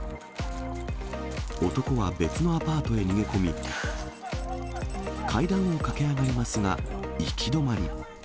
男は別のアパートへ逃げ込み、階段を駆け上がりますが、行き止まり。